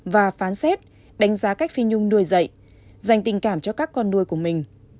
và phán xét đánh giá cách phi nhung nuôi dạy dành tình cảm cho các con nuôi của mình